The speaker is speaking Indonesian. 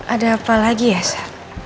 ada apa lagi ya sah